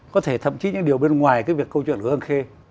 có thể thậm chí những điều bên ngoài cái việc câu chuyện của hương khê